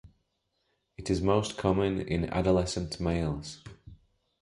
It is most common in adolescent males.